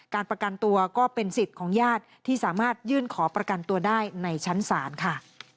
การประกันตัวก็เป็นสิทธิ์ของญาติที่สามารถยื่นขอประกันตัวได้ในชั้นศาลค่ะ